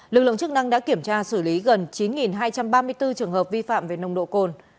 lực lượng chức năng đã kiểm tra xử lý gần chín hai trăm ba mươi bốn trường hợp vi phạm về nồng độ cồn